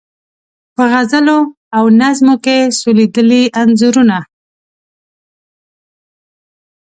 په غزلو او نظمو کې سولیدلي انځورونه